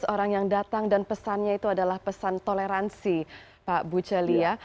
lima belas orang yang datang dan pesannya itu adalah pesan toleransi pak bu celia